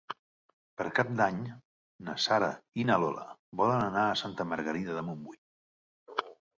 Per Cap d'Any na Sara i na Lola volen anar a Santa Margarida de Montbui.